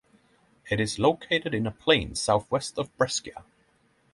It is located in a plain southwest of Brescia.